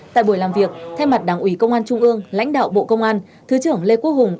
tại buổi làm việc thay mặt đảng ủy công an trung ương lãnh đạo bộ công an thứ trưởng lê quốc hùng